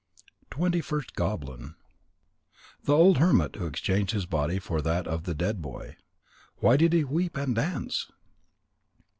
TWENTY FIRST GOBLIN _The Old Hermit who exchanged his Body for that of the Dead Boy. Why did he weep and dance?